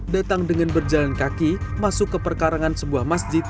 datang dengan berjalan kaki masuk ke perkarangan sebuah masjid